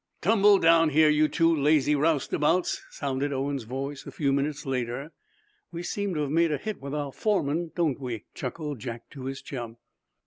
"Tumble down here, you two lazy young roustabouts!" sounded Owen's voice a few minutes later. "We seem to have made a hit with our foreman, don't we?" chuckled Jack to his chum.